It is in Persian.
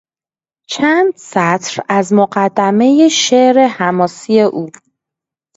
چند سطر از مقدمهی شعر حماسی او